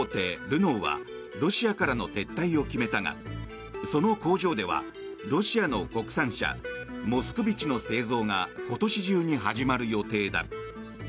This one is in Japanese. ルノーはロシアからの撤退を決めたがその工場ではロシアの国産車モスクビチの製造が今年中に始まる予定だ。